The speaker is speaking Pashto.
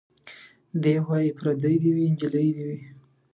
دی وايي پرېدۍ دي وي نجلۍ دي وي